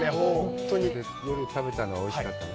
夜食べたのは、おいしかったの？